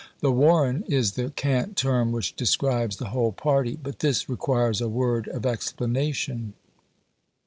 The "warren" is the cant term which describes the whole party; but this requires a word of explanation.